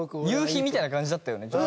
夕日みたいな感じだったよね